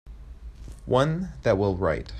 One that will write.